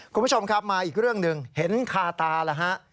คุณผู้ชมครับมาอีกเรื่องหนึ่งเห็นคาตาแล้วฮะ